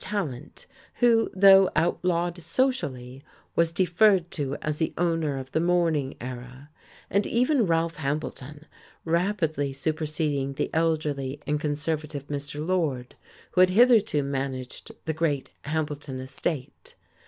Tallant, who, though outlawed socially, was deferred to as the owner of the Morning Era; and even Ralph Hambleton, rapidly superseding the elderly and conservative Mr. Lord, who had hitherto managed the great Hambleton estate.